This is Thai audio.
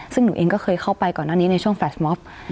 ซึ่งหนูเองก็เคยเข้าไปก่อนหน้านี้ในช่วงแฟชม็อบ